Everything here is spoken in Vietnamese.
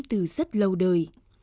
từ rất lâu đời